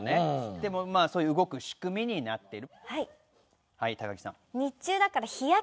でもまあそういう動く仕組みになっている